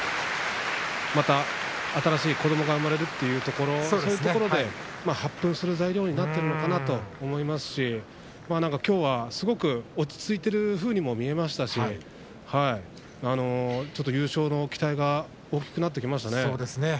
また新しい子どもが生まれるというところそういうところで発奮する材料になっているのかなと思いますしきょうはすごく落ち着いているふうにも見えましたしちょっと優勝の期待が大きくなってきましたね。